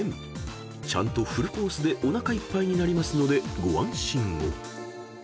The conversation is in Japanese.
［ちゃんとフルコースでおなかいっぱいになりますのでご安心を］